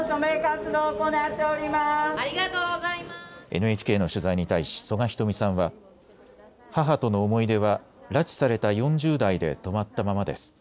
ＮＨＫの取材に対し曽我ひとみさんは母との思い出は拉致された４０代で止まったままです。